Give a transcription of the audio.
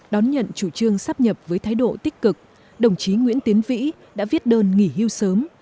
đón nhận chủ trương sắp nhập với thái độ tích cực đồng chí nguyễn tiến vĩ đã viết đơn nghỉ hưu sớm